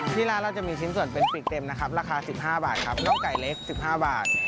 ที่ร้านเราจะมีชิ้นส่วนเป็นปีกเต็มนะครับราคา๑๕บาทครับน่องไก่เล็ก๑๕บาท